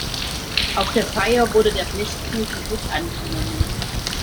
Auf der Feier wurde der Blechkuchen gut angenommen.